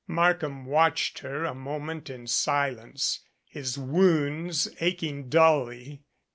Markham watched her a moment in silence, his wounds aching dully.